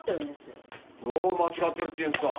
どう間違ってるっていうんすか？